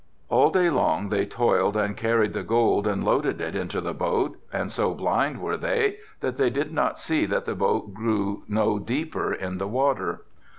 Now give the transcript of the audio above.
All day long they toiled and carried the gold and loaded it into the boat and so blind were they that they did not see that the boat grew no deeper in the water.